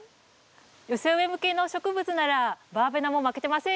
寄せ植え向けの植物ならバーベナも負けてませんよ。